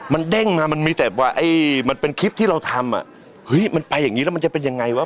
มันเด้งมามันมีแต่ว่าไอ้มันเป็นคลิปที่เราทำอ่ะเฮ้ยมันไปอย่างนี้แล้วมันจะเป็นยังไงวะ